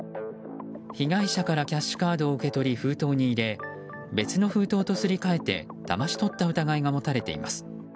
被害者からキャッシュカードを受け取り、封筒に入れ別の封筒とすり替えてだまし取った疑いが持たれています。